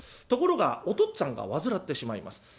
ところがお父っつぁんが患ってしまいます。